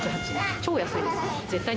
超安いです。